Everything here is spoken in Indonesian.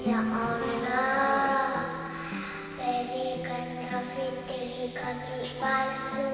ya allah berikan nafis diri kaki palsu